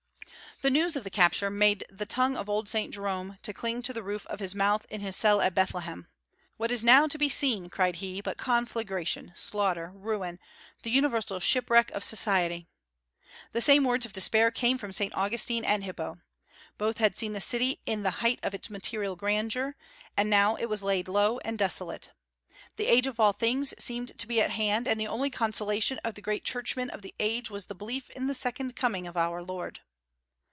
The news of the capture "made the tongue of old Saint Jerome to cling to the roof of his mouth in his cell at Bethlehem. What is now to be seen," cried he, "but conflagration, slaughter, ruin, the universal shipwreck of society?" The same words of despair came from Saint Augustine at Hippo. Both had seen the city in the height of its material grandeur, and now it was laid low and desolate. The end of all things seemed to be at hand; and the only consolation of the great churchmen of the age was the belief in the second coming of our Lord.